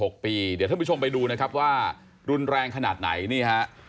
เดี๋ยวท่านผู้ชมไปดูนะครับว่ารุนแรงขนาดไหนนี่ฮะ